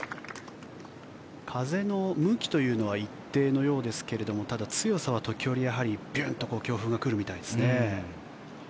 風の向きというのは一定のようですがただ強さは時折やはりビュンと強風が来るみたいですね。